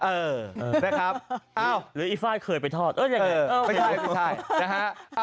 เออนะครับอ้าวหรืออีไฟล์เคยไปทอดยังไงไม่ใช่นะฮะ